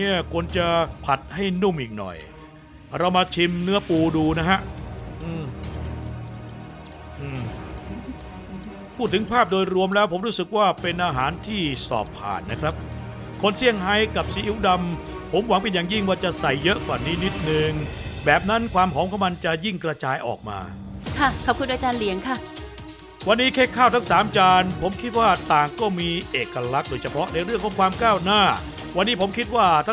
แย่แล้วเวลาใกล้จะหมดแล้ว